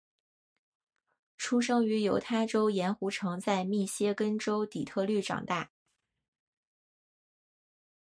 出生于犹他州盐湖城在密歇根州底特律长大。